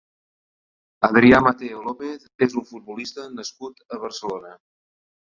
Adrià Mateo López és un futbolista nascut a Barcelona.